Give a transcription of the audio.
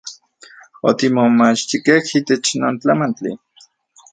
Otimomachtikej itech non tlamantli.